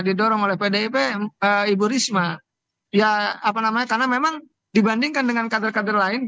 didorong oleh pdip ibu risma ya apa namanya karena memang dibandingkan dengan kader kader lain